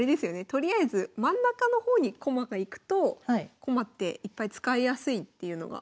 とりあえず真ん中の方に駒が行くと駒っていっぱい使いやすいっていうのが。